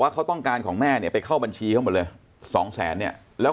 เขาต้องการของแม่เนี่ยไปเข้าบัญชีเขาหมดเลย๒แสนเนี่ยแล้ว